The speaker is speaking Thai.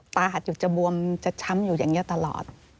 ตาหัดอยู่จะบวมจะช้ำอยู่อย่างนี้ตลอด